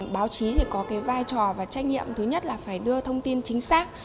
báo chí thì có cái vai trò và trách nhiệm thứ nhất là phải đưa thông tin chính xác